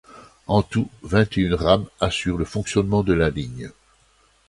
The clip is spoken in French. En tout, vingt et une rames assurent le fonctionnement de la ligne.